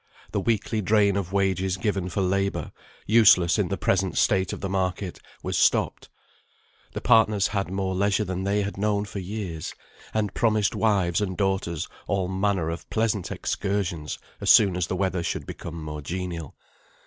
The weekly drain of wages given for labour, useless in the present state of the market, was stopped. The partners had more leisure than they had known for years; and promised wives and daughters all manner of pleasant excursions, as soon as the weather should become more genial.